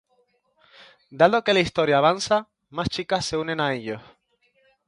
Dado que la historia avanza, más chicas se unen a ellos.